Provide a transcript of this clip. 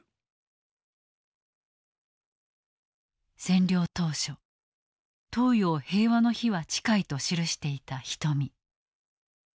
占領当初東洋平和の日は近いと記していた人見。